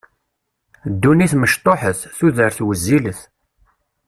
Ddunit mecṭuḥet, tudert wezzilet.